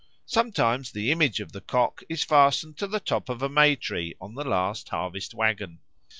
Sometimes the image of the cock is fastened to the top of a May tree on the last harvest waggon.